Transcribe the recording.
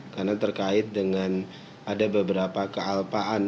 karena terkait dengan ada beberapa kealpaan